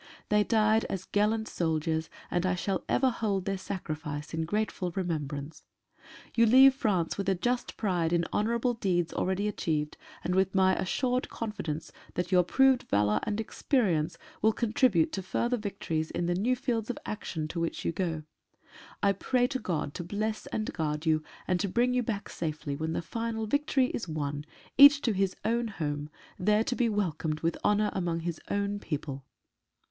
They died as gallant soldiers, and I shall ever hold their sacrifice in grateful remembrance. You leave France with a just pride in honourable deeds already achieved and with My assured confidence that your proved valour and experience will contribute to further victories in the new fields of action to which you go. I pray to God to bless and guard you and to bring you back safely, when the final victory is won, each to his own home — there to be welcomed with honor among his own people.